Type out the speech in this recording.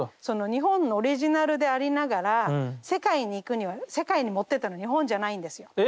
その日本のオリジナルでありながら世界に行くには世界に持ってったの日本じゃないんですよ。